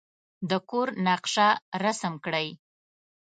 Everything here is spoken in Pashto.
د کور نقشه رسم کړئ.